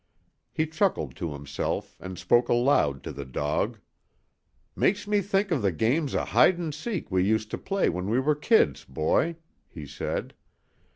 He chuckled to himself and spoke aloud to the dog. "Makes me think of the games o' hide 'n' seek we used to play when we were kids, boy," he said.